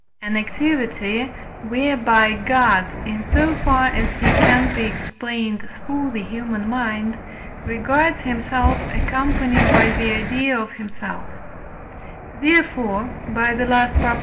an activity whereby God, in so far as he can be explained through the human mind, regards himself accompanied by the idea of himself; therefore (by the last Prop.)